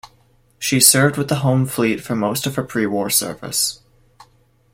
She served with the Home Fleet for most of her pre-war service.